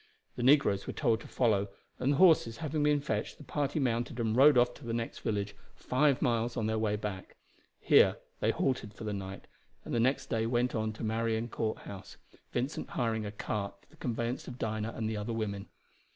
The negroes were told to follow; and the horses having been fetched the party mounted and rode off to the next village, five miles on their way back. Here they halted for the night, and the next day went on to Marion Courthouse, Vincent hiring a cart for the conveyance of Dinah and the other women.